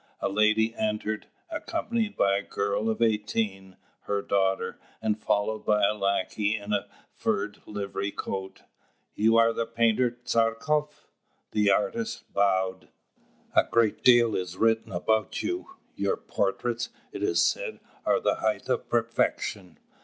A lady entered, accompanied by a girl of eighteen, her daughter, and followed by a lackey in a furred livery coat. "You are the painter Tchartkoff?" The artist bowed. "A great deal is written about you: your portraits, it is said, are the height of perfection."